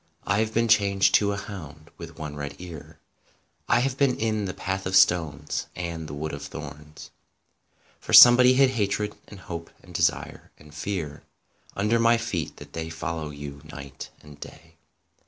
I have been changed to a hound with one red ear; I have been in the Path of Stones and the Wood of Thorns, For somebody hid hatred and hope and desire and fear Under my feet that they follow you night and day.